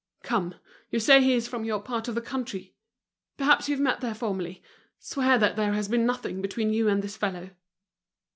"Come, you say he is from your part of the country? Perhaps you've met there formerly. Swear that there has been nothing between you and this fellow."